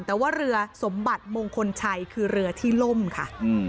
แต่ว่าเรือสมบัติมงคลชัยคือเรือที่ล่มค่ะ